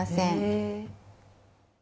え。